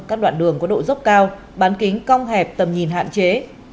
các đoạn đường có độ dốc cao bán kính cong hẹp tầm nhìn hạn chế